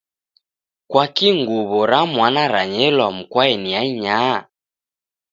Kwakii nguw'o ra mwana ranyelwa mukoaeni ainyaa?